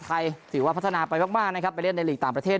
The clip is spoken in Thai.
ถือว่าพัฒนาไปมากนะครับไปเล่นในหลีกต่างประเทศ